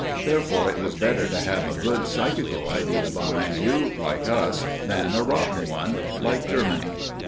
Therefore it was better to have a good psychical idea behind you, like us, than a rotten one, like Germany.